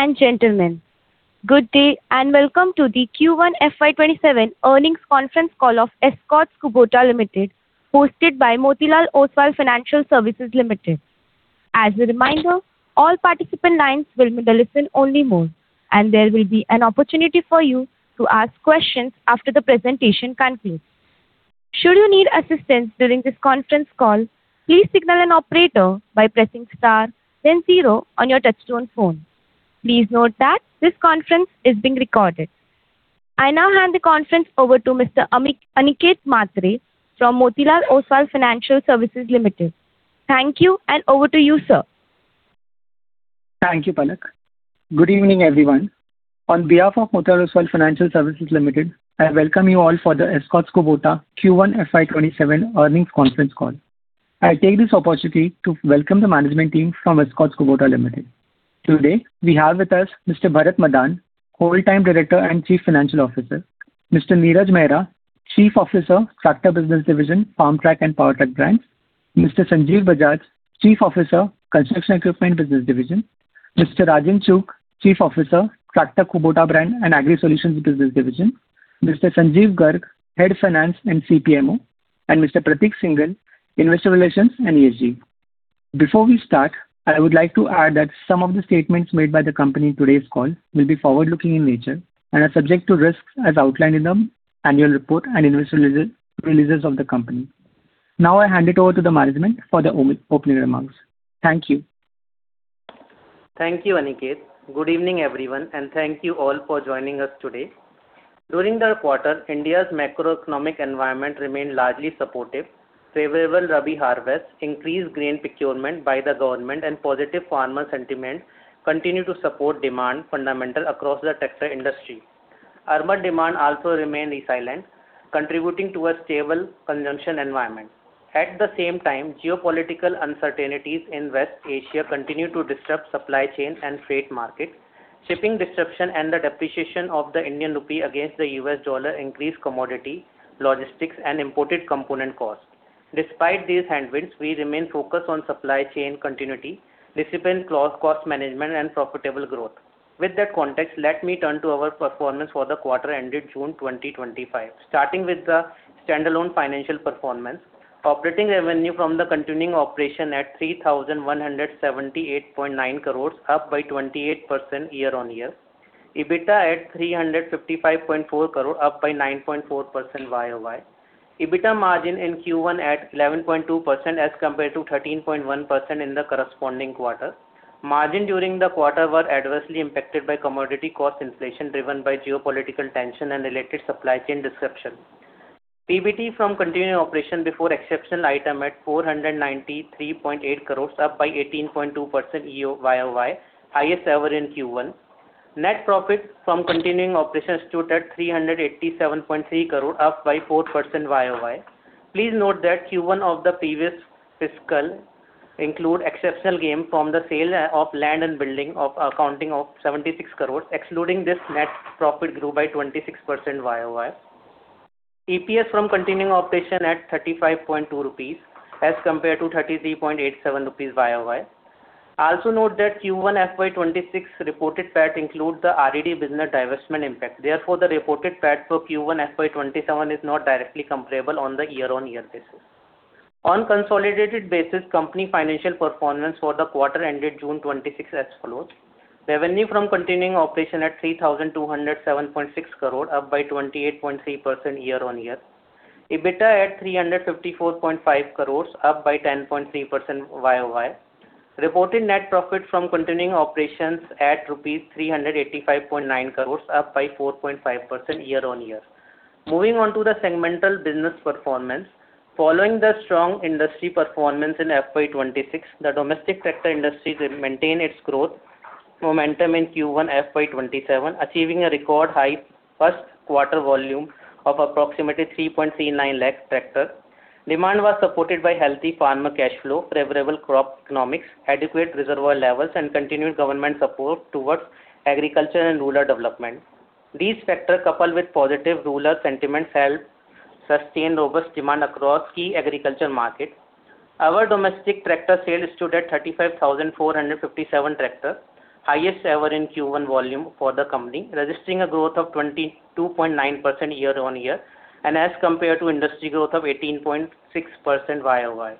Ladies and gentlemen, good day and welcome to the Q1 FY 2027 earnings conference call of Escorts Kubota Limited, hosted by Motilal Oswal Financial Services Limited. As a reminder, all participant lines will be in a listen-only mode, and there will be an opportunity for you to ask questions after the presentation concludes. Should you need assistance during this conference call, please signal an operator by pressing star then zero on your touch-tone phone. Please note that this conference is being recorded. I now hand the conference over to Mr. Aniket Mhatre from Motilal Oswal Financial Services Limited. Thank you, and over to you, sir. Thank you, Palak. Good evening, everyone. On behalf of Motilal Oswal Financial Services Limited, I welcome you all for the Escorts Kubota Q1 FY 2027 earnings conference call. I take this opportunity to welcome the management team from Escorts Kubota Limited. Today we have with us Mr. Bharat Madan, Whole-time Director and Chief Financial Officer. Mr. Neeraj Mehra, Chief Officer, Tractor Business Division, Farmtrac and Powertrac brands. Mr. Sanjeev Bajaj, Chief Officer, Construction Equipment Business Division. Mr. Rajan Chugh, Chief Officer, Tractor Kubota brand and Agri Solutions Business Division. Mr. Sanjeev Garg, Head of Finance and CPMO, and Mr. Prateek Singhal, Investor Relations and ESG. Before we start, I would like to add that some of the statements made by the company in today's call will be forward-looking in nature and are subject to risks as outlined in the annual report and investor releases of the company. Now I hand it over to the management for the opening remarks. Thank you. Thank you, Aniket. Good evening, everyone. Thank you all for joining us today. During the quarter, India's macroeconomic environment remained largely supportive. Favorable rabi harvests, increased grain procurement by the government, and positive farmer sentiment continued to support demand fundamental across the tractor industry. Rural demand also remained resilient, contributing to a stable consumption environment. At the same time, geopolitical uncertainties in West Asia continued to disrupt supply chains and freight markets. Shipping disruption and the depreciation of the Indian rupee against the U.S. dollar increased commodity, logistics, and imported component costs. Despite these headwinds, we remain focused on supply chain continuity, disciplined cost management, and profitable growth. With that context, let me turn to our performance for the quarter ended June 2025. Starting with the standalone financial performance. Operating revenue from the continuing operation at 3,178.9 crore, up by 28% year-on-year. EBITDA at 355.4 crore, up by 9.4% YoY. EBITDA margin in Q1 at 11.2% as compared to 13.1% in the corresponding quarter. Margin during the quarter was adversely impacted by commodity cost inflation driven by geopolitical tension and related supply chain disruption. PBT from continuing operation before exceptional item at 493.8 crore, up by 18.2% YoY, highest ever in Q1. Net profits from continuing operations stood at 387.3 crore, up by 4% YoY. Please note that Q1 of the previous fiscal included exceptional gain from the sale of land and building accounting of 76 crore. Excluding this, net profit grew by 26% YoY. EPS from continuing operation at 35.2 rupees as compared to 33.87 rupees YoY. Also note that Q1 FY 2026 reported PAT includes the RED business divestment impact. Therefore, the reported PAT for Q1 FY 2027 is not directly comparable on the year-on-year basis. On a consolidated basis, company financial performance for the quarter ended June 2026 as follows. Revenue from continuing operation at 3,207.6 crore, up by 28.3% year-on-year. EBITDA at 354.5 crore, up by 10.3% YoY. Reported net profit from continuing operations at rupees 385.9 crore, up by 4.5% year-on-year. Moving on to the segmental business performance. Following the strong industry performance in FY 2026, the domestic tractor industry maintained its growth momentum in Q1 FY 2027, achieving a record high first quarter volume of approximately 3.39 lakh tractors. Demand was supported by healthy farmer cash flow, favorable crop economics, adequate reservoir levels, and continued government support towards agriculture and rural development. These factors, coupled with positive rural sentiment, helped sustain robust demand across key agriculture markets. Our domestic tractor sales stood at 35,457 tractors, highest ever in Q1 volume for the company, registering a growth of 22.9% year-on-year and as compared to industry growth of 18.6% YoY.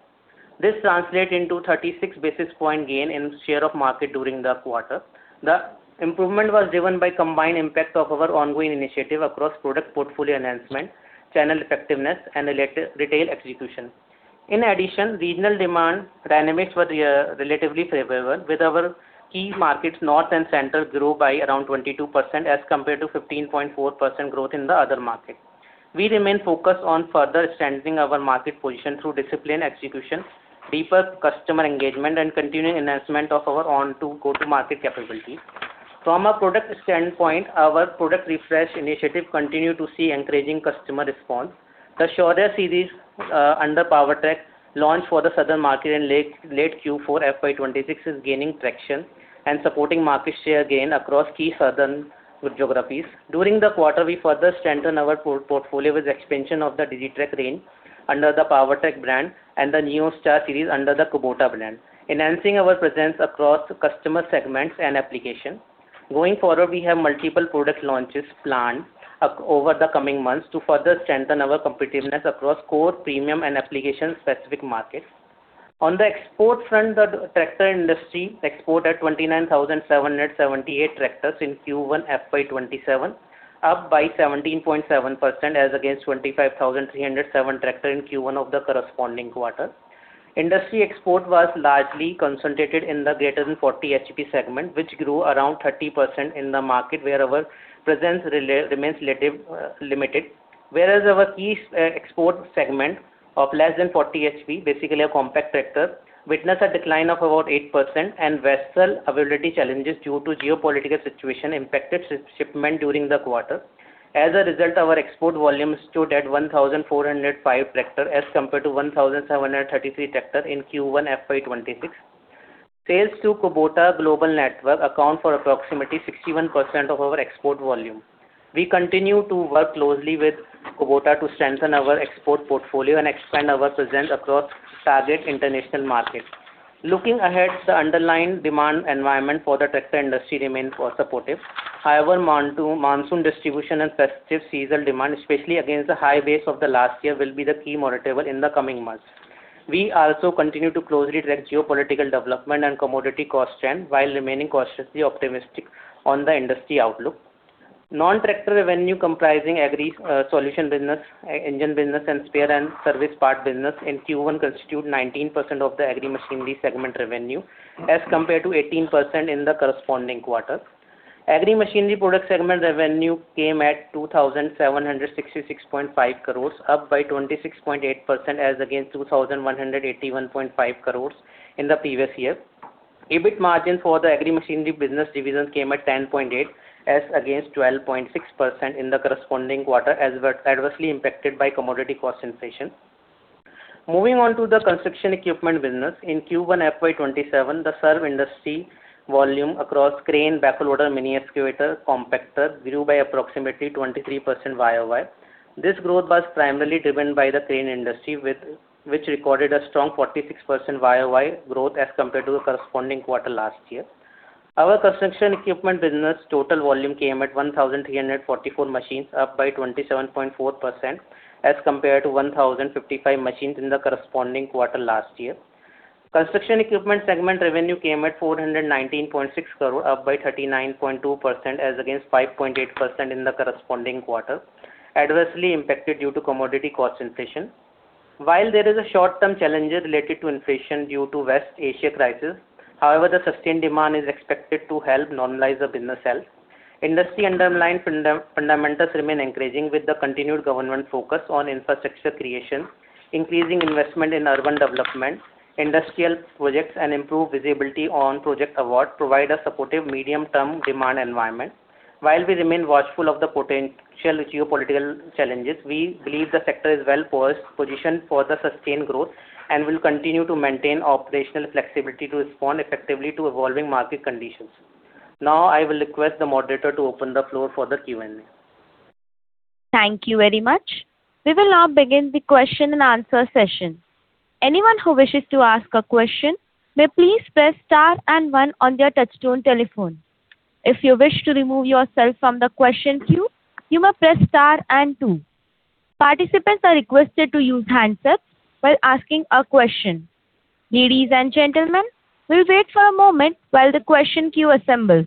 This translates into 36 basis point gain in share of market during the quarter. The improvement was driven by combined impact of our ongoing initiative across product portfolio enhancement, channel effectiveness, and retail execution. In addition, regional demand dynamics were relatively favorable, with our key markets north and center grew by around 22%, as compared to 15.4% growth in the other markets. We remain focused on further strengthening our market position through disciplined execution, deeper customer engagement, and continuing enhancement of our go-to-market capabilities. From a product standpoint, our product refresh initiative continued to see encouraging customer response. The Shaurya series under Powertrac launch for the southern market in late Q4 FY 2026 is gaining traction and supporting market share gain across key southern geographies. During the quarter, we further strengthened our portfolio with expansion of the Digitrac range under the Powertrac brand and the NeoStar series under the Kubota brand, enhancing our presence across customer segments and application. Going forward, we have multiple product launches planned over the coming months to further strengthen our competitiveness across core, premium, and application-specific markets. On the export front, the tractor industry exported 29,778 tractors in Q1 FY 2027, up by 17.7% as against 25,307 tractors in Q1 of the corresponding quarter. Industry export was largely concentrated in the greater than 40 HP segment, which grew around 30% in the market where our presence remains limited. Whereas our key export segment of less than 40 HP, basically a compact tractor, witnessed a decline of about 8% and vessel availability challenges due to geopolitical situation impacted shipment during the quarter. As a result, our export volumes stood at 1,405 tractors as compared to 1,733 tractors in Q1 FY 2026. Sales to Kubota global network account for approximately 61% of our export volume. We continue to work closely with Kubota to strengthen our export portfolio and expand our presence across target international markets. Looking ahead, the underlying demand environment for the tractor industry remains supportive. However, monsoon distribution and festive seasonal demand, especially against the high base of the last year, will be the key monitorable in the coming months. We also continue to closely track geopolitical development and commodity cost trend, while remaining cautiously optimistic on the industry outlook. Non-tractor revenue comprising agri solution business, engine business, and spare and service part business in Q1 constitute 19% of the agri machinery segment revenue as compared to 18% in the corresponding quarter. Agri machinery product segment revenue came at 2,766.5 crore, up by 26.8% as against 2,181.5 crore in the previous year. EBIT margin for the agri machinery business division came at 10.8% as against 12.6% in the corresponding quarter, adversely impacted by commodity cost inflation. Moving on to the construction equipment business. In Q1 FY 2027, the farm industry volume across crane, backhoe loader, mini excavator, compactor grew by approximately 23% YoY. This growth was primarily driven by the crane industry, which recorded a strong 46% YoY growth as compared to the corresponding quarter last year. Our construction equipment business total volume came at 1,344 machines, up by 27.4% as compared to 1,055 machines in the corresponding quarter last year. Construction equipment segment revenue came at 419.6 crore, up by 39.2% as against 5.8% in the corresponding quarter, adversely impacted due to commodity cost inflation. There is a short-term challenge related to inflation due to West Asia crisis, however, the sustained demand is expected to help normalize the business health. Industry underlying fundamentals remain encouraging with the continued government focus on infrastructure creation, increasing investment in urban development, industrial projects, and improved visibility on project awards provide a supportive medium-term demand environment. We remain watchful of the potential geopolitical challenges, we believe the sector is well positioned for the sustained growth and will continue to maintain operational flexibility to respond effectively to evolving market conditions. I will request the moderator to open the floor for the Q&A. Thank you very much. We will now begin the question and answer session. Anyone who wishes to ask a question may please press star and one on their touchtone telephone. If you wish to remove yourself from the question queue, you may press star and two. Participants are requested to use handsets while asking a question. Ladies and gentlemen, we will wait for a moment while the question queue assembles.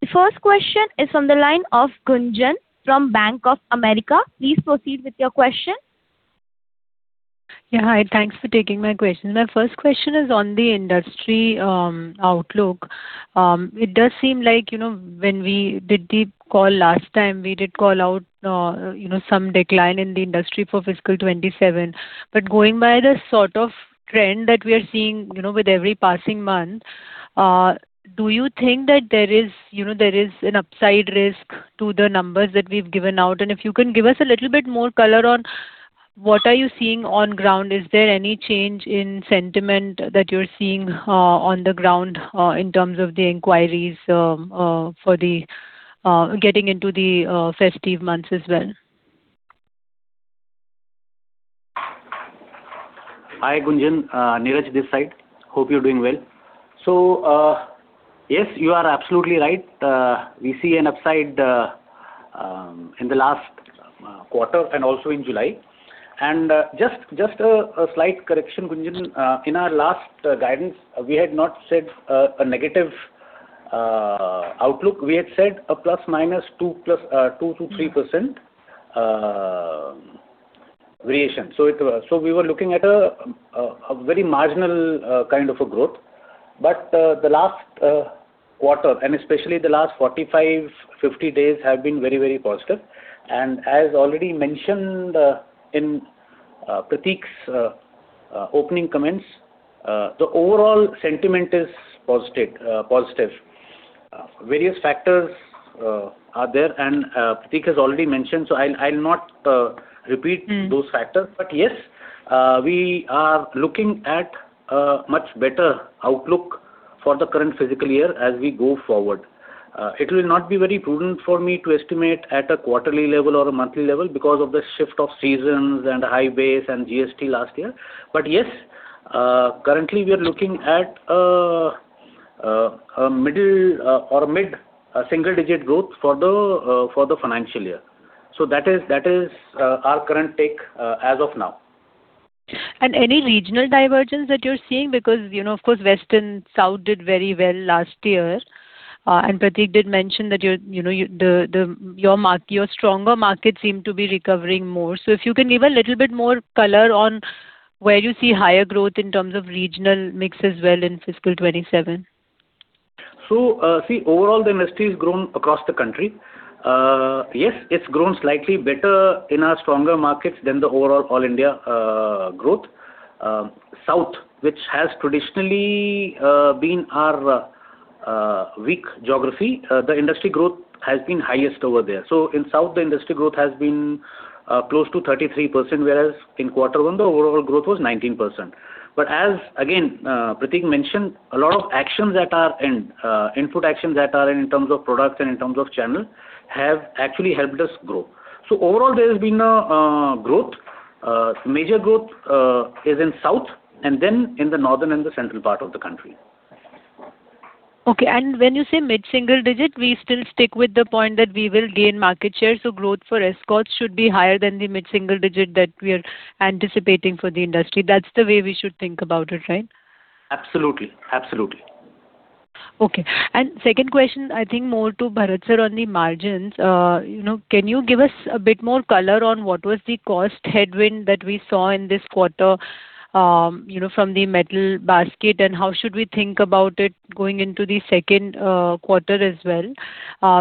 The first question is from the line of Gunjan from Bank of America. Please proceed with your question. Yeah, hi. Thanks for taking my question. My first question is on the industry outlook. It does seem like when we did the call last time, we did call out some decline in the industry for fiscal 2027. Going by the sort of trend that we are seeing with every passing month, do you think that there is an upside risk to the numbers that we've given out? If you can give us a little bit more color on what are you seeing on ground. Is there any change in sentiment that you're seeing on the ground in terms of the inquiries for getting into the festive months as well? Hi, Gunjan. Neeraj this side. Hope you're doing well. Yes, you are absolutely right. We see an upside in the last quarter and also in July. Just a slight correction, Gunjan. In our last guidance, we had not said a negative outlook. We had said a plus minus 2%-3% variation. We were looking at a very marginal kind of a growth. The last quarter, and especially the last 45-50 days have been very positive. As already mentioned in Prateek's opening comments, the overall sentiment is positive. Various factors are there, and Prateek has already mentioned, so I'll not repeat those factors. Yes, we are looking at a much better outlook For the current fiscal year as we go forward. It will not be very prudent for me to estimate at a quarterly level or a monthly level because of the shift of seasons and high base and GST last year. Yes, currently we are looking at a mid-single-digit growth for the financial year. That is our current take as of now. Any regional divergence that you are seeing because, of course, Western South did very well last year. Prateek did mention that your stronger markets seem to be recovering more. If you can give a little bit more color on where you see higher growth in terms of regional mix as well in fiscal 2027. Overall the industry has grown across the country. Yes, it has grown slightly better in our stronger markets than the overall all India growth. South, which has traditionally been our weak geography, the industry growth has been highest over there. In South, the industry growth has been close to 33%, whereas in quarter one, the overall growth was 19%. As again, Prateek mentioned, a lot of input actions that are in terms of products and in terms of channel have actually helped us grow. Overall, there has been a growth. Major growth is in South and then in the northern and the central part of the country. When you say mid-single digit, we still stick with the point that we will gain market share, growth for Escorts should be higher than the mid-single digit that we are anticipating for the industry. That's the way we should think about it, right? Absolutely. Second question, I think more to Bharat, sir, on the margins. Can you give us a bit more color on what was the cost headwind that we saw in this quarter from the metal basket, and how should we think about it going into the second quarter as well?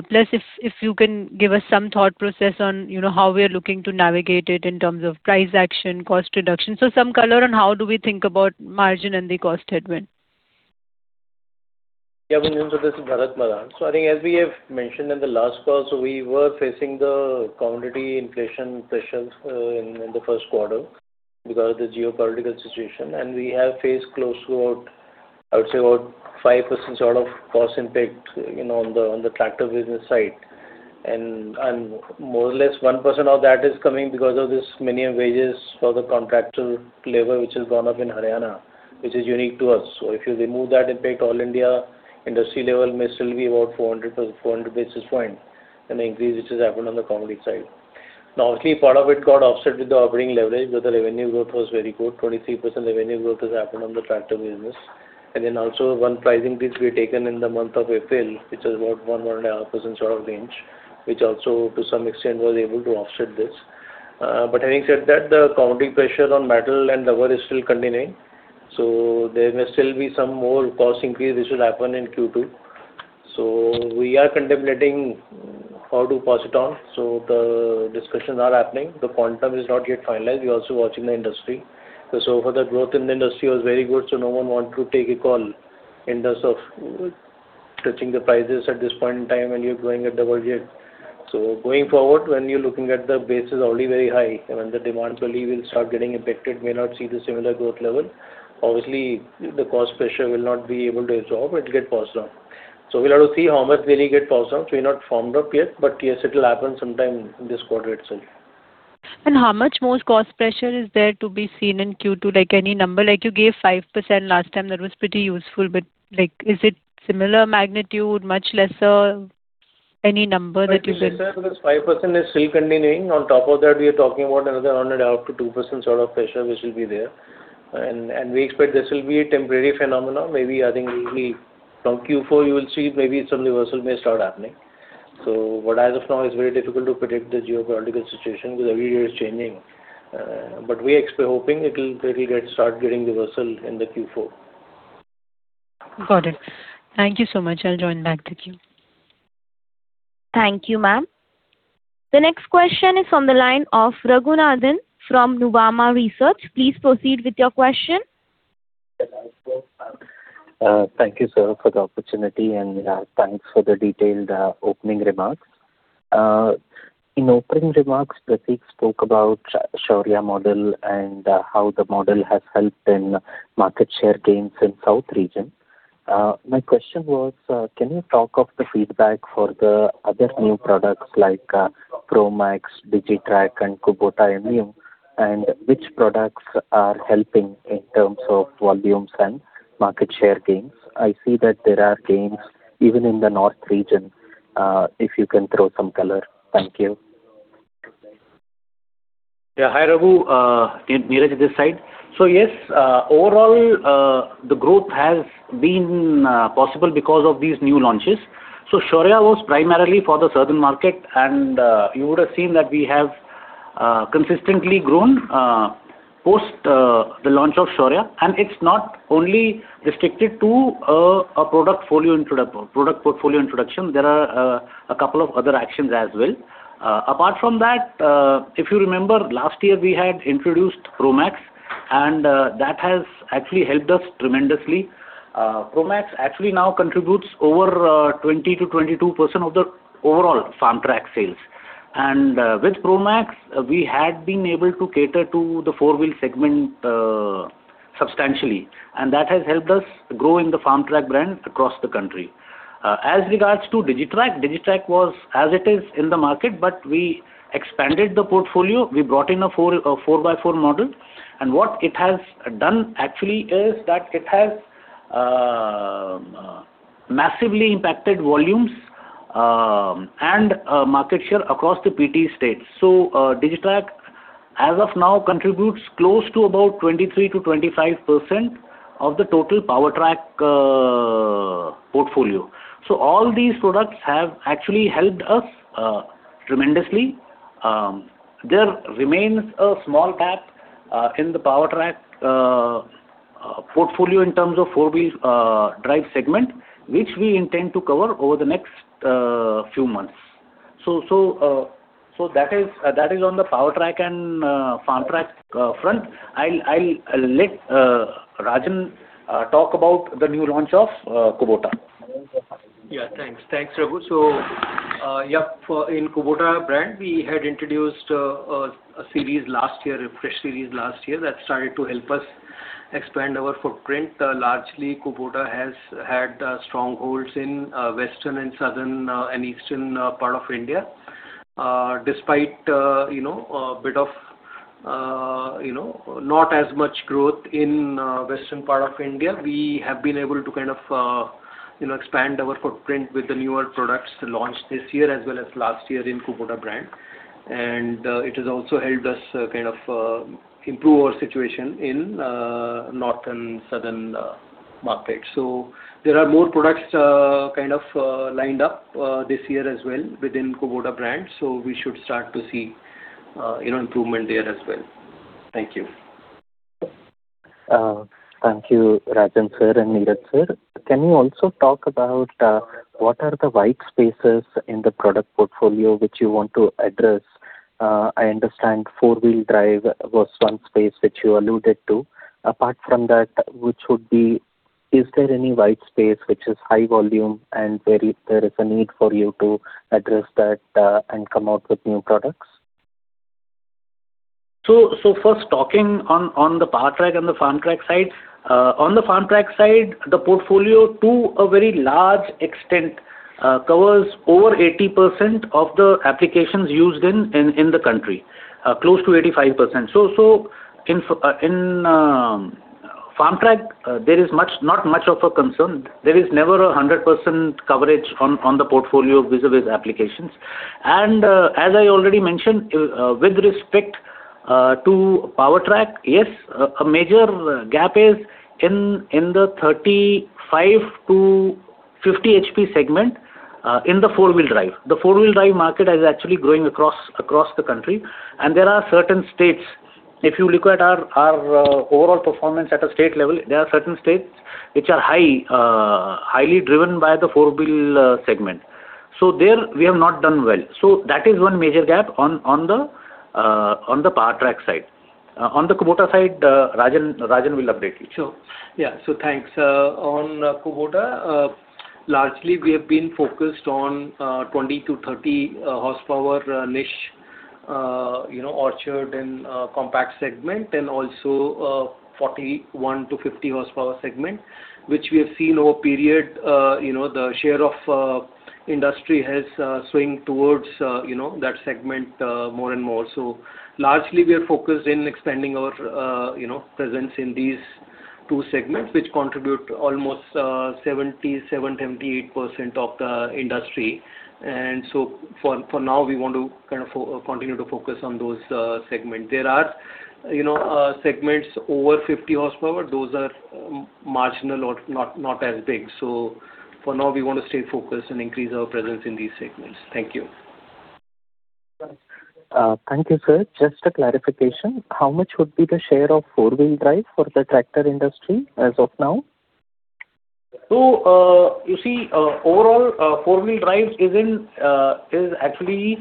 Plus, if you can give us some thought process on how we are looking to navigate it in terms of price action, cost reduction. Some color on how do we think about margin and the cost headwind. Yeah, good evening. This is Bharat Madan. I think as we have mentioned in the last call, we were facing the commodity inflation pressures in the first quarter because of the geopolitical situation. We have faced close to about, I would say about 5% sort of cost impact on the tractor business side. More or less 1% of that is coming because of this minimum wages for the contractor labor, which has gone up in Haryana, which is unique to us. If you remove that impact, all India industry level may still be about 400 basis points, an increase which has happened on the commodity side. Obviously, part of it got offset with the operating leverage, the revenue growth was very good. 23% revenue growth has happened on the tractor business. Also one pricing piece we had taken in the month of April, which is about 1%-1.5% sort of range, which also to some extent was able to offset this. Having said that, the commodity pressure on metal and rubber is still continuing, so there may still be some more cost increase which will happen in Q2. We are contemplating how to pass it on. The discussions are happening. The quantum is not yet finalized. We are also watching the industry. For the growth in the industry was very good, so no one want to take a call in terms of touching the prices at this point in time when you are growing at double-digit. Going forward, when you are looking at the base is already very high and when the demand slowly will start getting impacted, may not see the similar growth level. Obviously, the cost pressure will not be able to absorb, it will get passed on. We will have to see how much will it get passed on. We are not formed up yet, but yes, it will happen sometime in this quarter itself. How much more cost pressure is there to be seen in Q2? Like any number. You gave 5% last time, that was pretty useful, but is it similar magnitude, much lesser? Any number that you can- Much lesser because 5% is still continuing. On top of that, we are talking about another 1.5%-2% sort of pressure which will be there. We expect this will be a temporary phenomenon. Maybe, I think, from Q4 you will see maybe some reversal may start happening. As of now, it's very difficult to predict the geopolitical situation because every day it is changing. We are hoping it will start getting reversal in the Q4. Got it. Thank you so much. I'll join back with you. Thank you, ma'am. The next question is on the line of Raghunandhan from Nuvama Research. Please proceed with your question. Thank you, sir, for the opportunity, and thanks for the detailed opening remarks. In opening remarks, Prateek spoke about Shaurya model and how the model has helped in market share gains in South region. My question was, can you talk of the feedback for the other new products like Promaxx, Digitrac, and Kubota MU, and which products are helping in terms of volumes and market share gains? I see that there are gains even in the North region. If you can throw some color. Thank you. Hi, Raghu. Neeraj this side. Yes, overall, the growth has been possible because of these new launches. Shaurya was primarily for the southern market, and you would have seen that we have consistently grown post the launch of Shaurya, and it's not only restricted to a product portfolio introduction. There are a couple of other actions as well. Apart from that, if you remember, last year we had introduced Promaxx, and that has actually helped us tremendously. Promaxx actually now contributes over 20%-22% of the overall Farmtrac sales. With Promaxx, we had been able to cater to the four-wheel segment substantially, and that has helped us grow the Farmtrac brand across the country. As regards to Digitrac was as it is in the market, but we expanded the portfolio. We brought in a 4x4 model. What it has done actually is that it has massively impacted volumes and market share across the PT states. Digitrac, as of now, contributes close to about 23%-25% of the total Powertrac portfolio. All these products have actually helped us tremendously. There remains a small gap in the Powertrac portfolio in terms of four-wheel drive segment, which we intend to cover over the next few months. That is on the Powertrac and Farmtrac front. I will let Rajan talk about the new launch of Kubota. Yeah, thanks. Thanks, Raghu. In Kubota brand, we had introduced a series last year, a fresh series last year, that started to help us expand our footprint. Largely, Kubota has had strongholds in western, southern, and eastern part of India. Despite not as much growth in western part of India, we have been able to expand our footprint with the newer products launched this year as well as last year in Kubota brand. It has also helped us improve our situation in northern-southern markets. There are more products kind of lined up this year as well within Kubota brand, we should start to see improvement there as well. Thank you. Thank you, Rajan Sir and Neeraj Sir. Can you also talk about what are the white spaces in the product portfolio which you want to address? I understand four-wheel drive was one space which you alluded to. Apart from that, is there any white space which is high volume and there is a need for you to address that and come out with new products? First, talking on the Powertrac and the Farmtrac side. On the Farmtrac side, the portfolio to a very large extent, covers over 80% of the applications used in the country. Close to 85%. In Farmtrac, there is not much of a concern. There is never 100% coverage on the portfolio vis-a-vis applications. As I already mentioned, with respect to Powertrac, yes, a major gap is in the 35 HP-50 HP segment in the four-wheel drive. The four-wheel drive market is actually growing across the country, and there are certain states, if you look at our overall performance at a state level, there are certain states which are highly driven by the four-wheel segment. There we have not done well. That is one major gap on the Powertrac side. On the Kubota side, Rajan will update you. Thanks. On Kubota, largely we have been focused on 20 HP-30 HP niche, orchard and compact segment, and also 41 HP-50 HP segment. We have seen over a period, the share of industry has swinged towards that segment more and more. Largely, we are focused in expanding our presence in these two segments, which contribute almost 77%-78% of the industry. For now, we want to continue to focus on those segments. There are segments over 50 HP, those are marginal or not as big. For now, we want to stay focused and increase our presence in these segments. Thank you. Thank you, sir. Just a clarification. How much would be the share of four-wheel drive for the tractor industry as of now? You see, overall, four-wheel drive is actually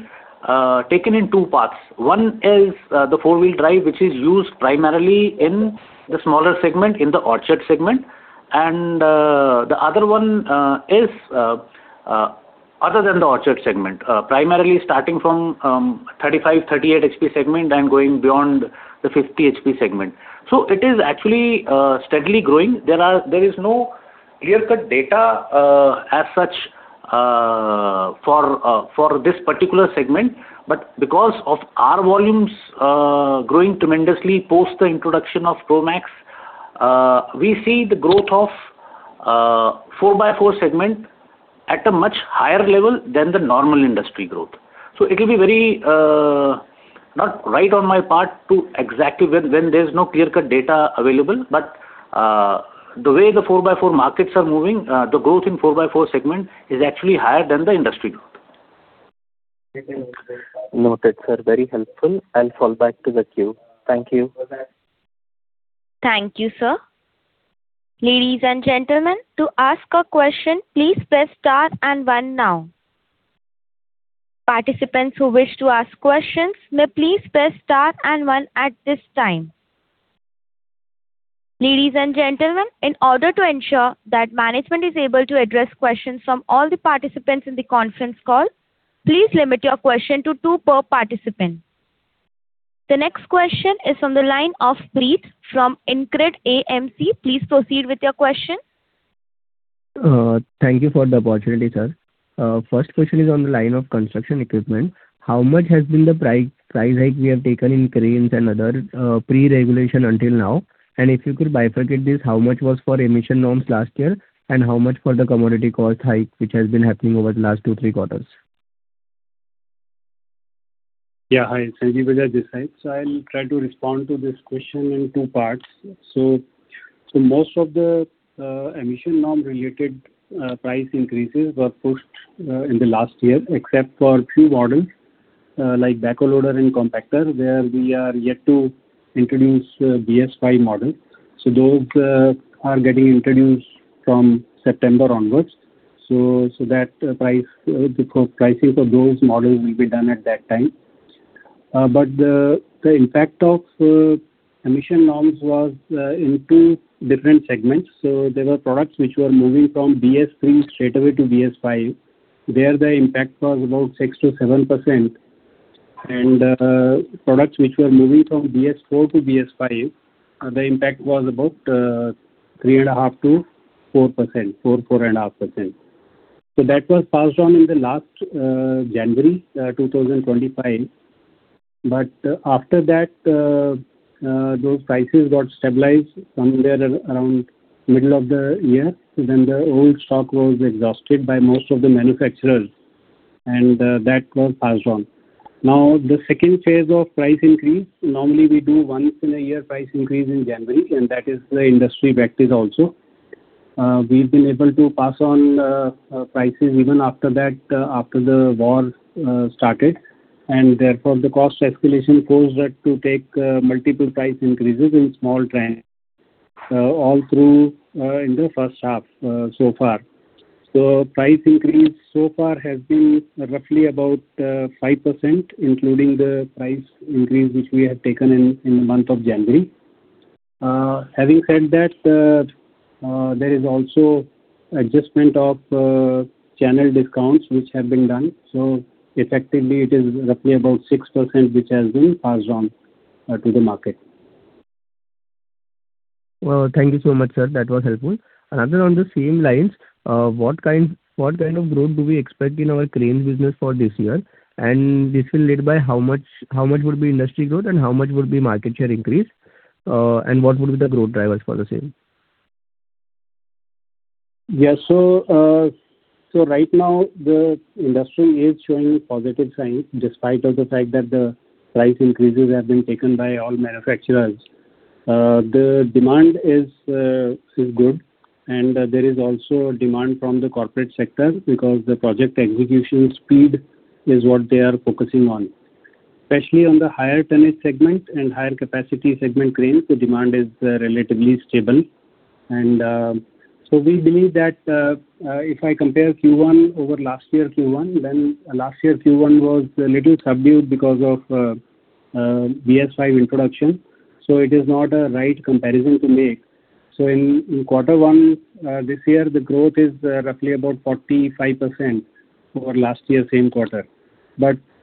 taken in two parts. One is the four-wheel drive, which is used primarily in the smaller segment, in the orchard segment. The other one is other than the orchard segment. Primarily starting from 35 HP-38 HP segment and going beyond the 50 HP segment. It is actually steadily growing. There is no clear-cut data as such for this particular segment. But because of our volumes growing tremendously post the introduction of Promaxx, we see the growth of 4x4 segment at a much higher level than the normal industry growth. It will be very, not right on my part to exactly, when there's no clear-cut data available, but the way the 4x4 markets are moving, the growth in 4x4 segment is actually higher than the industry growth. Noted, sir. Very helpful. I'll fall back to the queue. Thank you. Thank you, sir. Ladies and gentlemen, to ask a question, please press star one now. Participants who wish to ask questions may please press star one at this time. Ladies and gentlemen, in order to ensure that management is able to address questions from all the participants in the conference call, please limit your question to two per participant. The next question is on the line of Preet from InCred AMC. Please proceed with your question. Thank you for the opportunity, sir. First question is on the line of construction equipment. How much has been the price hike you have taken in cranes and other pre-regulation until now? If you could bifurcate this, how much was for emission norms last year, and how much for the commodity cost hike, which has been happening over the last two, three quarters? Hi, Sanjeev Bajaj this side. I'll try to respond to this question in two parts. Most of the emission norm related price increases were pushed in the last year, except for few models, like backhoe loader and compactor. There we are yet to introduce BS5 model. Those are getting introduced from September onwards. That pricing for those models will be done at that time. The impact of emission norms was in two different segments. There were products which were moving from BS3 straight away to BS5, where the impact was about 6%-7%. Products which were moving from BS4 to BS5, the impact was about 3.5%-4%, 4%-4.5%. That was passed on in the last January 2025. After that, those prices got stabilized somewhere around middle of the year. The old stock was exhausted by most of the manufacturers, and that got passed on. The second phase of price increase, normally we do once a year price increase in January, and that is the industry practice also. We've been able to pass on prices even after the war started, therefore the cost escalation caused that to take multiple price increases in small trend all through in the first half so far. Price increase so far has been roughly about 5%, including the price increase which we have taken in the month of January. Having said that, there is also adjustment of channel discounts which have been done. Effectively, it is roughly about 6%, which has been passed on to the market. Thank you so much, sir. That was helpful. Another on the same lines. What kind of growth do we expect in our cranes business for this year? This will lead by how much would be industry growth and how much would be market share increase, and what would be the growth drivers for the same? Yeah. Right now the industry is showing positive signs despite of the fact that the price increases have been taken by all manufacturers. The demand is good, and there is also a demand from the corporate sector because the project execution speed is what they are focusing on. Especially on the higher tonnage segment and higher capacity segment cranes, the demand is relatively stable. We believe that, if I compare Q1 over last year Q1, then last year Q1 was a little subdued because of BS5 introduction, so it is not a right comparison to make. In quarter one this year, the growth is roughly about 45% over last year same quarter.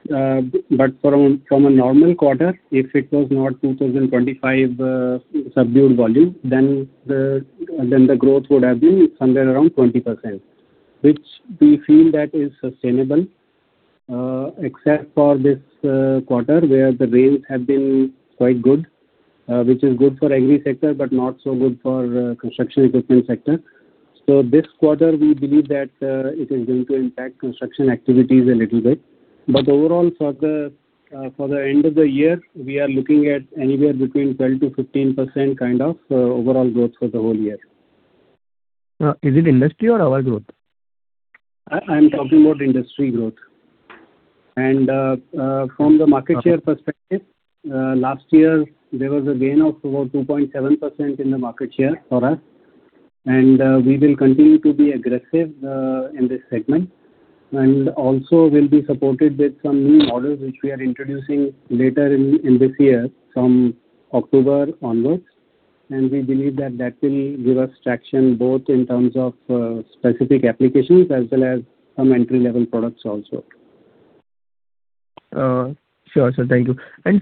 From a normal quarter, if it was not 2025 subdued volume, then the growth would have been somewhere around 20%, which we feel that is sustainable. Except for this quarter where the rains have been quite good, which is good for agri sector but not so good for construction equipment sector. This quarter, we believe that it is going to impact construction activities a little bit. Overall for the end of the year, we are looking at anywhere between 12%-15% kind of overall growth for the whole year. Is it industry or our growth? I am talking about industry growth. From the market share perspective, last year there was a gain of about 2.7% in the market share for us, we will continue to be aggressive in this segment. Also we will be supported with some new models which we are introducing later in this year from October onwards. We believe that will give us traction both in terms of specific applications as well as some entry-level products also. Sure, sir. Thank you.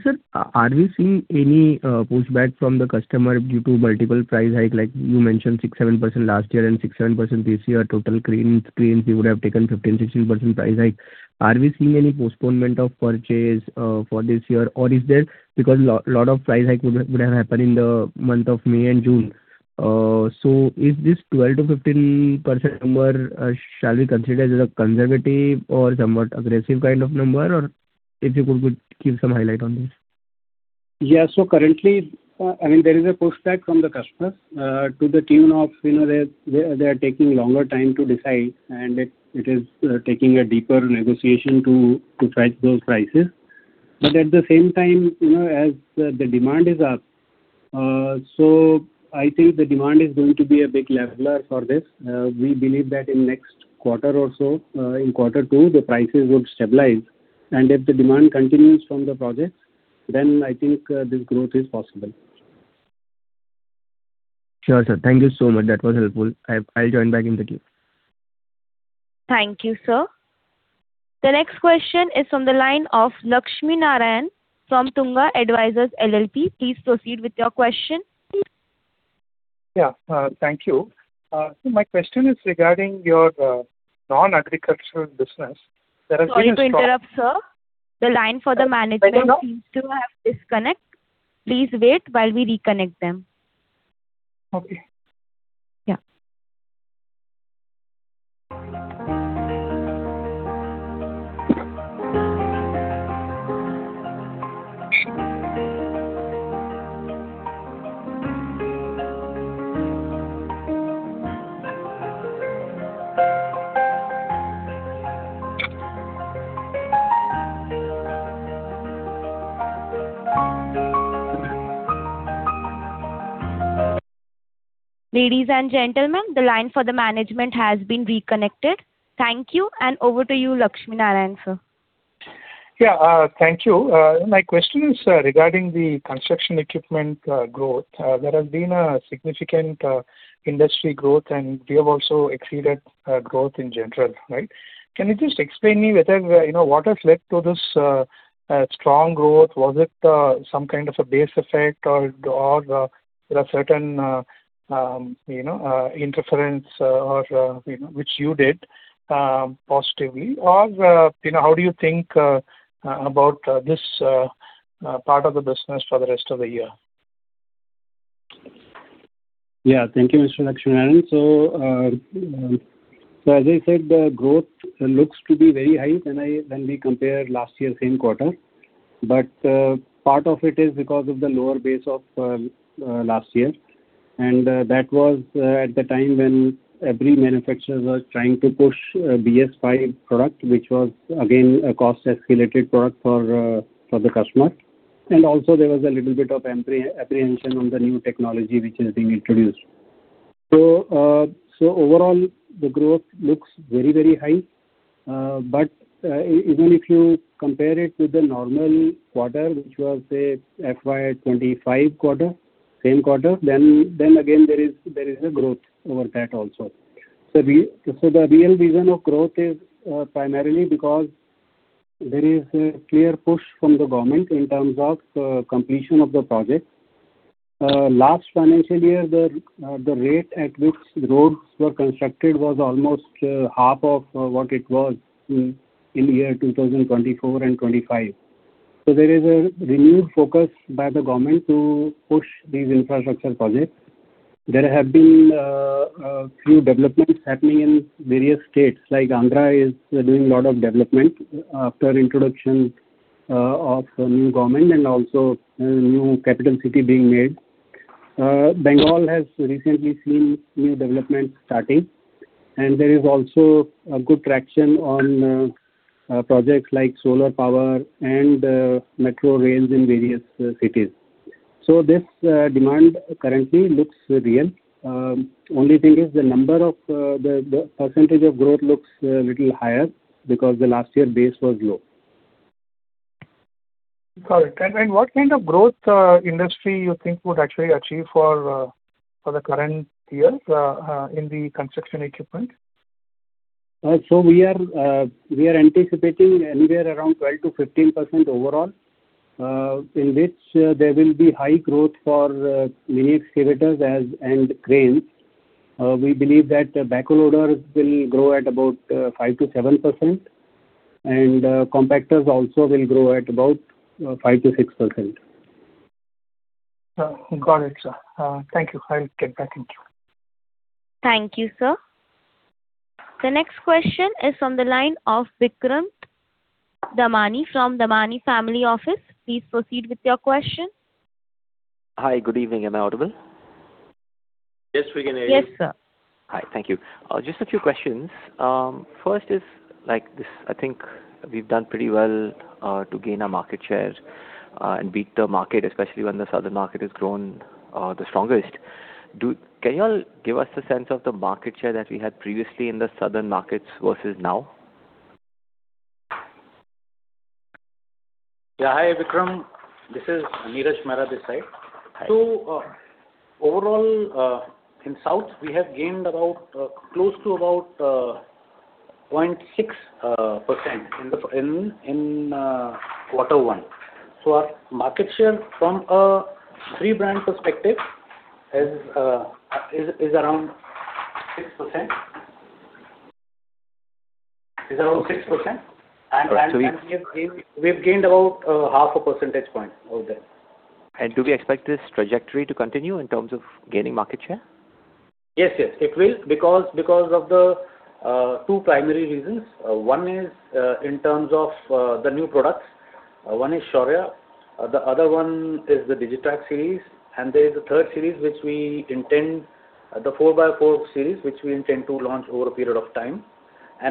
Sir, are we seeing any pushback from the customer due to multiple price hike like you mentioned, 6%-7% last year and 6%-7% this year, total cranes you would have taken 15%-16% price hike. Are we seeing any postponement of purchase for this year, or is there because lot of price hike would have happened in the month of May and June. Is this 12%-15% number, shall we consider as a conservative or somewhat aggressive kind of number? If you could give some highlight on this. Currently, there is a pushback from the customer to the tune of they're taking longer time to decide and it is taking a deeper negotiation to fetch those prices. At the same time as the demand is up. I think the demand is going to be a big leveler for this. We believe that in next quarter or so, in quarter two, the prices would stabilize. If the demand continues from the projects, I think this growth is possible. Sure, sir. Thank you so much. That was helpful. I will join back in the queue. Thank you, sir. The next question is from the line of Lakshminarayanan from Tunga Advisors LLP. Please proceed with your question. Yeah. Thank you. My question is regarding your non-agricultural business. There has been a strong- Sorry to interrupt, sir. The line for the management- Hello? -seems to have disconnect. Please wait while we reconnect them. Okay. Ladies and gentlemen, the line for the management has been reconnected. Thank you, and over to you, Lakshminarayanan, sir. Thank you. My question is regarding the construction equipment growth. There has been a significant industry growth, and you have also exceeded growth in general, right? Can you just explain to me what has led to this strong growth? Was it some kind of a base effect or there are certain interference which you did positively, or how do you think about this part of the business for the rest of the year? Thank you, Mr. Lakshminarayanan. As I said, the growth looks to be very high when we compare last year's same quarter. Part of it is because of the lower base of last year. That was at the time when every manufacturer was trying to push BS5 product, which was again, a cost-escalated product for the customer. Also there was a little bit of apprehension on the new technology which has been introduced. Overall, the growth looks very high. Even if you compare it to the normal quarter, which was, say, FY 2025 quarter, same quarter, then again, there is a growth over that also. The real reason of growth is primarily because there is a clear push from the government in terms of completion of the project. Last financial year, the rate at which roads were constructed was almost half of what it was in year 2024 and 2025. There is a renewed focus by the government to push these infrastructure projects. There have been a few developments happening in various states, like Andhra is doing lot of development after introduction of new government and also new capital city being made. Bengal has recently seen new development starting, there is also a good traction on projects like solar power and metro rails in various cities. This demand currently looks real. Only thing is the percentage of growth looks a little higher because the last year base was low. Got it. What kind of growth industry you think would actually achieve for the current year in the construction equipment? We are anticipating anywhere around 12%-15% overall, in which there will be high growth for mini excavators and cranes. We believe that backhoe loaders will grow at about 5%-7%, and compactors also will grow at about 5%-6%. Got it, sir. Thank you. I'll get back in queue. Thank you, sir. The next question is from the line of Vikram Damani from Damani Family Office. Please proceed with your question. Hi. Good evening. Am I audible? Yes, we can hear you. Yes, sir. Hi. Thank you. Just a few questions. First is, I think we've done pretty well to gain our market share and beat the market, especially when the southern market has grown the strongest. Can you all give us the sense of the market share that we had previously in the southern markets versus now? Yeah. Hi, Vikram. This is Neeraj Mehra this side. Hi. Overall, in South, we have gained close to about 0.6% in quarter one. Our market share from a three-brand perspective is around 6%. We've gained about 0.5 percentage point over there. Do we expect this trajectory to continue in terms of gaining market share? Yes. It will, because of the two primary reasons. One is in terms of the new products. One is Shaurya, the other one is the Digitrac series, and there is a third series, the 4x4 series, which we intend to launch over a period of time.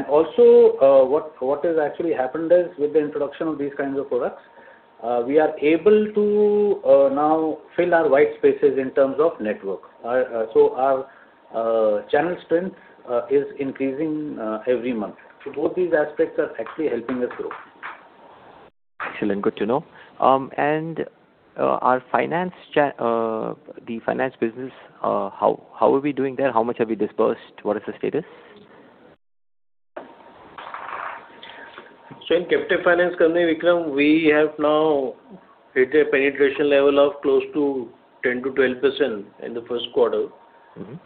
Also what has actually happened is with the introduction of these kinds of products. We are able to now fill our white spaces in terms of network. Our channel strength is increasing every month. Both these aspects are actually helping us grow. Excellent. Good to know. The finance business, how are we doing there? How much have we disbursed? What is the status? In captive finance company, Vikram, we have now hit a penetration level of close to 10%-12% in the first quarter.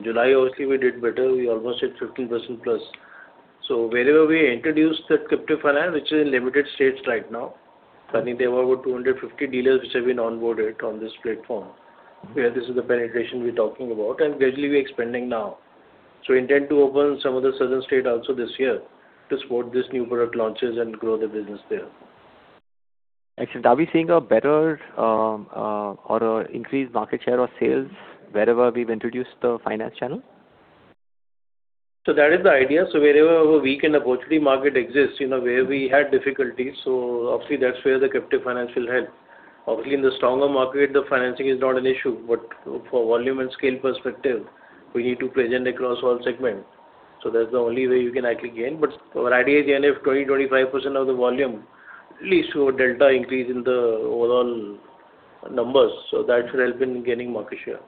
July, obviously, we did better. We almost hit 15%+. Wherever we introduced that captive finance, which is in limited states right now, currently there were over 250 dealers which have been onboarded on this platform, where this is the penetration we're talking about, and gradually we're expanding now. Intend to open some other southern state also this year to support this new product launches and grow the business there. Excellent. Are we seeing a better or a increased market share of sales wherever we've introduced the finance channel? That is the idea. Wherever a weak and a poultry market exists, where we had difficulties, obviously that's where the captive finance will help. Obviously, in the stronger market, the financing is not an issue. For volume and scale perspective, we need to present across all segments. That's the only way you can actually gain. Our idea is, again, if 20%-25% of the volume leads to a delta increase in the overall numbers, that should help in gaining market share.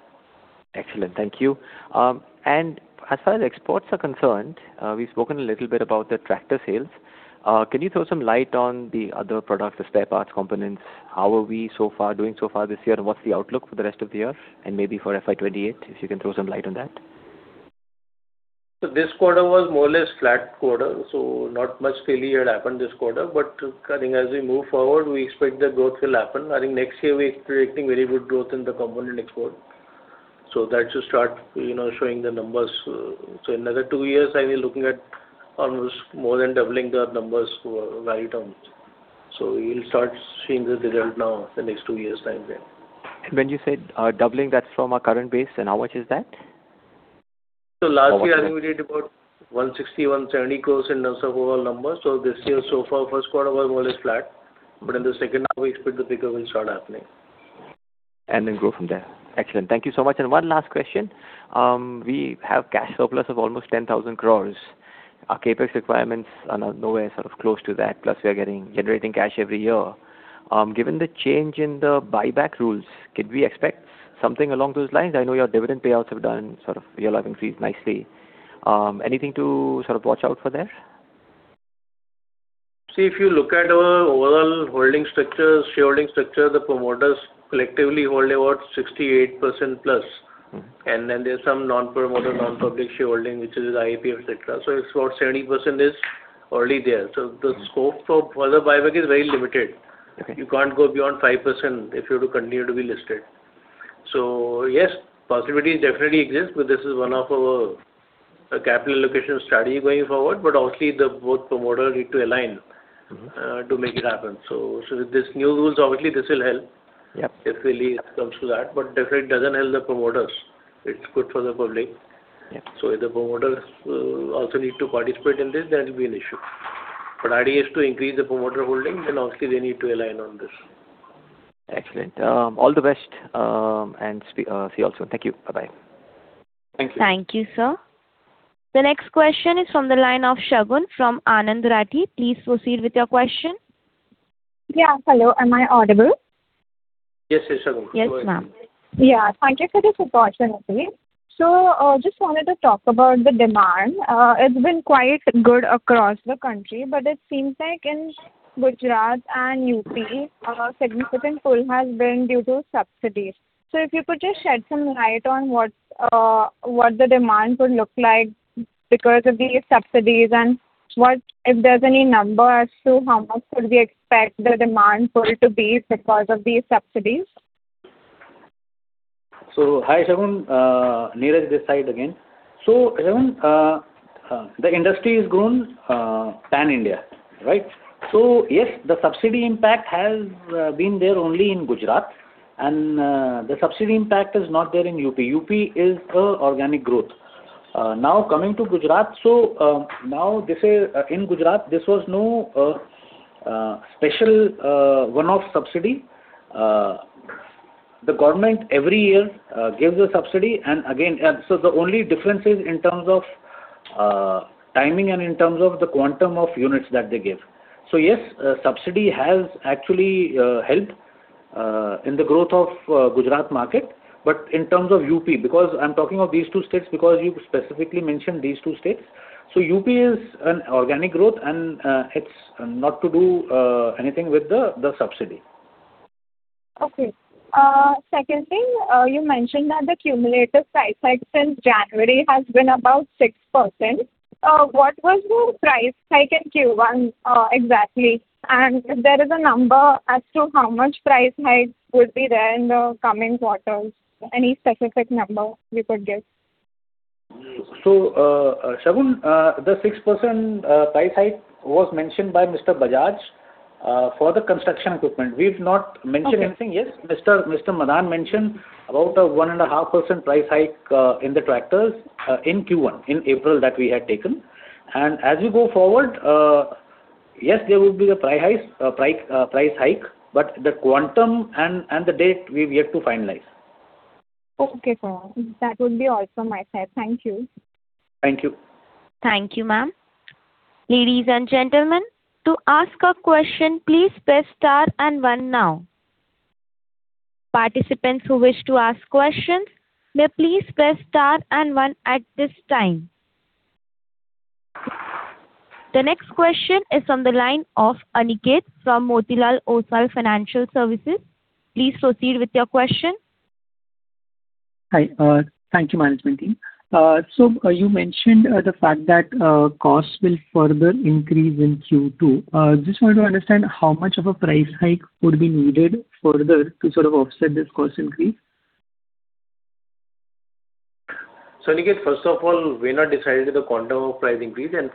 Excellent. Thank you. As far as exports are concerned, we've spoken a little bit about the tractor sales. Can you throw some light on the other products, the spare parts, components? How are we doing so far this year, and what's the outlook for the rest of the year, and maybe for FY 2028? If you can throw some light on that. This quarter was more or less flat quarter, not much really had happened this quarter. I think as we move forward, we expect the growth will happen. I think next year we're predicting very good growth in the component export. That should start showing the numbers. Another two years, I'll be looking at almost more than doubling our numbers for value terms. We'll start seeing the result now the next two years' time there. When you said doubling that from our current base, and how much is that? Last year, I think we did about 160 crore-170 crore in terms of overall numbers. This year so far, first quarter was more or less flat. In the second half, we expect the pickup will start happening. Then grow from there. Excellent. Thank you so much. One last question. We have cash surplus of almost 10,000 crore. Our CapEx requirements are nowhere sort of close to that, plus we are generating cash every year. Given the change in the buyback rules, could we expect something along those lines? I know your dividend payouts have done sort of [YoY] increased nicely. Anything to sort of watch out for there? See, if you look at our overall shareholding structure, the promoters collectively hold about 68%+. There's some non-promoter, non-public shareholding, which is IAP, et cetera. It's about 70% is already there. The scope for further buyback is very limited. Okay. You can't go beyond 5% if you are to continue to be listed. Yes, possibility definitely exists, but this is one of our capital allocation strategy going forward. Obviously the both promoter need to align to make it happen. With this new rules, obviously this will help. Yep. If really it comes to that, definitely it doesn't help the promoters. It's good for the public. Yep. If the promoters also need to participate in this, there will be an issue. Idea is to increase the promoter holding, obviously they need to align on this. Excellent. All the best, and see you all soon. Thank you. Bye-bye. Thank you. Thank you, sir. The next question is from the line of Shagun from Anand Rathi. Please proceed with your question. Yeah. Hello, am I audible? Yes, Shagun. Go ahead. Yes, ma'am. Yeah, thank you for this opportunity. Just wanted to talk about the demand. It's been quite good across the country, but it seems like in Gujarat and UP, a significant pull has been due to subsidies. If you could just shed some light on what the demand would look like because of these subsidies, and if there's any numbers to how much could we expect the demand pull to be because of these subsidies. Hi, Shagun. Neeraj this side again. Shagun, the industry is grown pan-India, right? Yes, the subsidy impact has been there only in Gujarat, and the subsidy impact is not there in UP. UP is a organic growth. Now coming to Gujarat, now in Gujarat, this was no special one-off subsidy. The government every year gives a subsidy. The only difference is in terms of timing and in terms of the quantum of units that they give. Yes, subsidy has actually helped in the growth of Gujarat market. In terms of UP, because I'm talking of these two states because you specifically mentioned these two states, UP is an organic growth and it's not to do anything with the subsidy. Okay. Second thing, you mentioned that the cumulative price hike since January has been about 6%. What was the price hike in Q1 exactly? If there is a number as to how much price hikes would be there in the coming quarters, any specific number we could get? Shagun, the 6% price hike was mentioned by Mr. Bajaj, for the construction equipment. We've not mentioned anything. Okay Yes, Mr. Madan mentioned about a 1.5% price hike in the tractors in Q1, in April that we had taken. As we go forward, yes, there will be a price hike, but the quantum and the date we've yet to finalize. Okay. That would be all from my side. Thank you. Thank you. Thank you, ma'am. Ladies and gentlemen, to ask a question, please press star and one now. Participants who wish to ask questions may please press star and one at this time. The next question is on the line of Aniket from Motilal Oswal Financial Services. Please proceed with your question. Hi. Thank you, management team. You mentioned the fact that costs will further increase in Q2. Just wanted to understand how much of a price hike would be needed further to sort of offset this cost increase. Aniket, first of all, we've not decided the quantum of price increase, and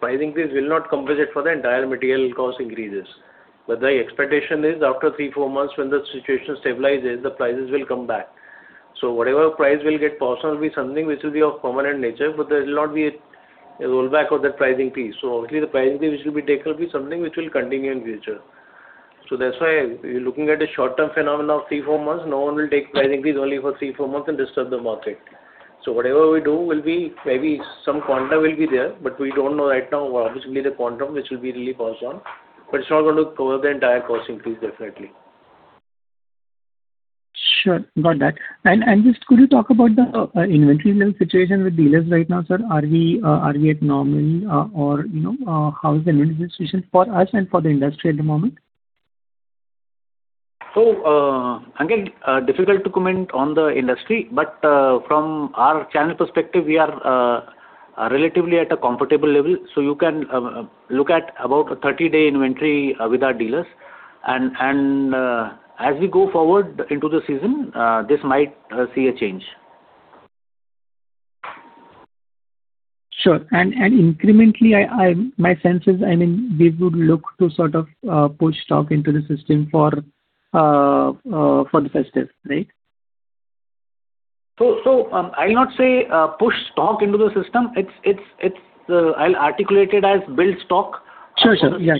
price increase will not compensate for the entire material cost increases. The expectation is after three, four months when the situation stabilizes, the prices will come back. Whatever price will get passed on will be something which will be of permanent nature, but there will not be a rollback of that pricing piece. Obviously, the pricing piece which will be taken will be something which will continue in future. That's why you're looking at a short-term phenomenon of three, four months. No one will take price increase only for three, four months and disturb the market. Whatever we do, maybe some quantum will be there, but we don't know right now, obviously, the quantum which will be really passed on, but it's not going to cover the entire cost increase definitely. Sure. Got that. Just could you talk about the inventory level situation with dealers right now, sir? Are we at normal or how is the inventory situation for us and for the industry at the moment? Again, difficult to comment on the industry, from our channel perspective, we are relatively at a comfortable level. You can look at about a 30-day inventory with our dealers. As we go forward into the season, this might see a change. Sure. Incrementally, my sense is they would look to sort of push stock into the system for the festive, right? I'll not say push stock into the system. I'll articulate it as build stock. Sure. Yeah.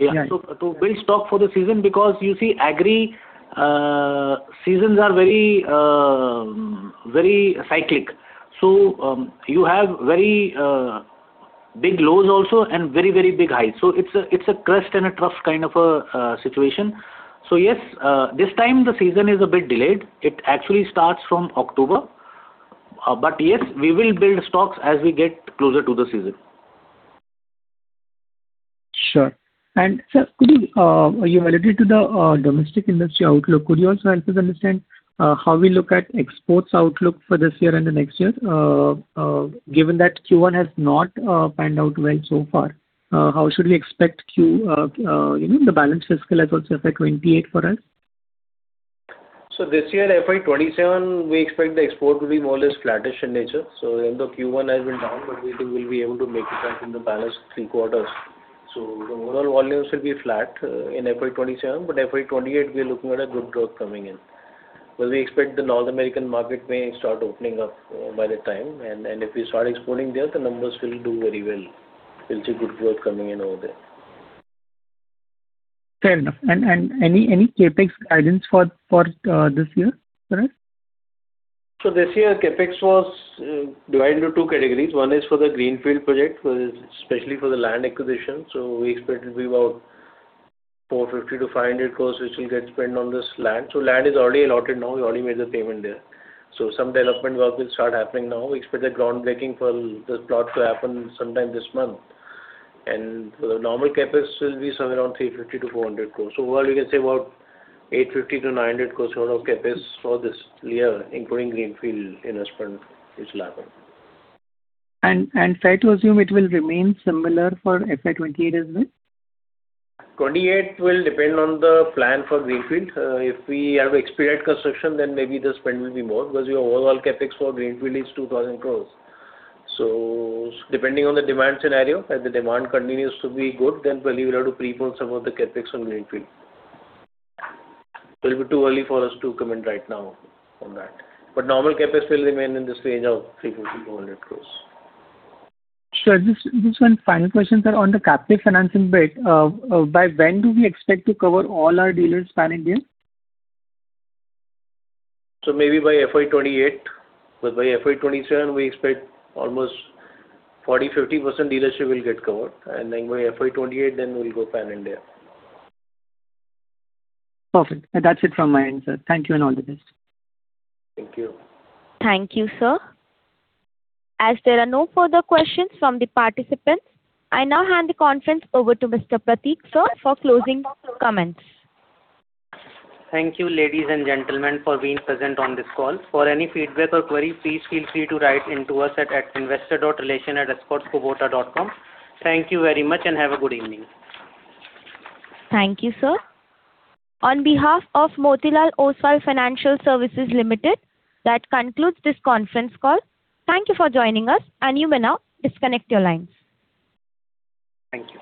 To build stock for the season because you see agri seasons are very cyclic. You have very big lows also and very big highs. It's a crest and a trough kind of a situation. Yes, this time the season is a bit delayed. It actually starts from October. Yes, we will build stocks as we get closer to the season. Sure. Sir, you alluded to the domestic industry outlook. Could you also help us understand how we look at exports outlook for this year and the next year, given that Q1 has not panned out well so far? How should we expect the balance fiscal as also FY 2028 for us? This year, FY 2027, we expect the export to be more or less flattish in nature. Although Q1 has been down, but we think we'll be able to make it back in the balance three quarters. The overall volumes will be flat in FY 2027, but FY 2028, we're looking at a good growth coming in. We expect the North American market may start opening up by that time. If we start exporting there, the numbers will do very well. We'll see good growth coming in over there. Fair enough. Any CapEx guidance for this year, sir? This year, CapEx was divided into two categories. One is for the greenfield project, especially for the land acquisition. We expect it to be about 450 crore-500 crore which will get spent on this land. Land is already allotted now. We already made the payment there. Some development work will start happening now. We expect the groundbreaking for this plot to happen sometime this month. The normal CapEx will be somewhere around 350 crore-400 crore. Overall, you can say about 850 crore-900 crore worth of CapEx for this year, including greenfield investment is liable. Fair to assume it will remain similar for FY 2028, isn't it? FY 2028 will depend on the plan for greenfield. If we have expedite construction, then maybe the spend will be more because your overall CapEx for greenfield is 2,000 crore. Depending on the demand scenario, if the demand continues to be good, then probably we'll have to pre-book some of the CapEx on greenfield. It'll be too early for us to comment right now on that. Normal CapEx will remain in this range of 350 crore-400 crore. Sure. Just one final question, sir. On the captive financing bit, by when do we expect to cover all our dealers pan-India? Maybe by FY 2028. By FY 2027, we expect almost 40%-50% dealership will get covered. By FY 2028, then we'll go pan-India. Perfect. That's it from my end, sir. Thank you and all the best. Thank you. Thank you, sir. As there are no further questions from the participants, I now hand the conference over to Mr. Prateek, sir, for closing comments. Thank you, ladies and gentlemen, for being present on this call. For any feedback or query, please feel free to write in to us at investorrelations@escortskubota.com. Thank you very much and have a good evening. Thank you, sir. On behalf of Motilal Oswal Financial Services Limited, that concludes this conference call. Thank you for joining us, and you may now disconnect your lines. Thank you.